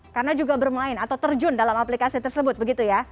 karena juga bermain atau terjun dalam aplikasi tersebut begitu ya